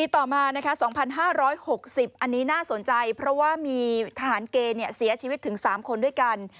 ต่อมา๒๕๖๐อันนี้น่าสนใจเพราะว่ามีทหารเกย์เสียชีวิตถึง๓คนด้วยกัน